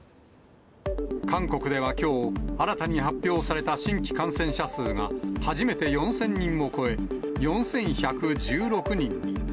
韓国ではきょう、新たに発表された新規感染者数が初めて４０００人を超え、４１１６人に。